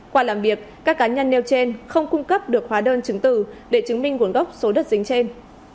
qua làm việc các cá nhân nêu trên không cung cấp được hóa đơn chứng tử để chứng minh nguồn gốc số đất dính trên